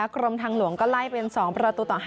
กรมทางหลวงก็ไล่เป็น๒ประตูต่อ๕